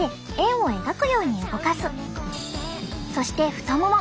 そして太もも。